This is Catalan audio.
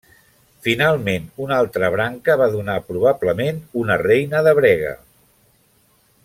Finalment una altra branca va donar probablement una reina de Brega.